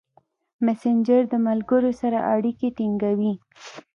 مسېنجر د ملګرو سره اړیکې ټینګوي.